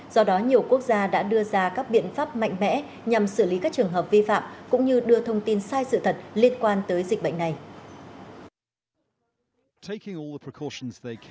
do đó nhiều quốc gia đã đưa ra các biện pháp mạnh mẽ nhằm xử lý các trường hợp vi phạm cũng như đưa thông tin sai sự thật liên quan tới dịch bệnh này